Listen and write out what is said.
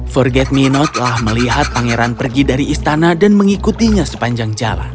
forget me not telah melihat pangeran pergi dari istana dan mengikutinya sepanjang jalan